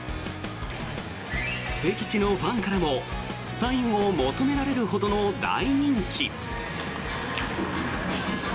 敵地のファンからもサインを求められるほどの大人気。